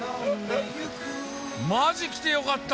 まじ来てよかった！